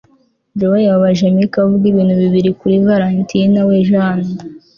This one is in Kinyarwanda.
Joe yababaje Mike avuga ibintu bibi kuri valentine we Jane